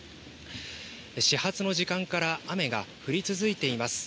始発の時間から雨が降り続いています。